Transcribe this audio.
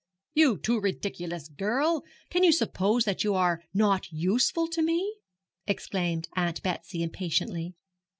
'You too ridiculous girl, can you suppose that you are not useful to me?' exclaimed Aunt Betsy, impatiently.